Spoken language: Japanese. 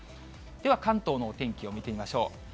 では関東のお天気を見てみましょう。